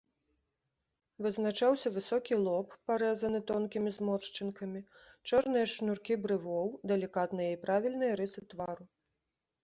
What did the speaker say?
Вызначаўся высокі лоб, парэзаны тонкімі зморшчынкамі, чорныя шнуркі брывоў, далікатныя і правільныя рысы твару.